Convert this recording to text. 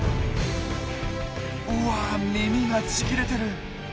うわ耳がちぎれてる！